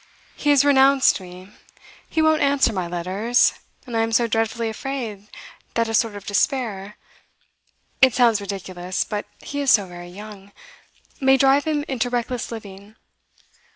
He has renounced me; he won't answer my letters; and I am so dreadfully afraid that a sort of despair it sounds ridiculous, but he is so very young may drive him into reckless living.